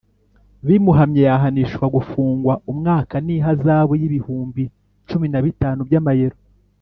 bimuhamye yahanishwa gufungwa umwaka n’ihazabu y’ibihumbi cumin a bitanu by’amayero.